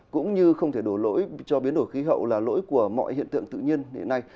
cũng như không thể đổ lỗi cho biến đổi khí hậu là lỗi của mọi hiện tượng tự nhiên hiện nay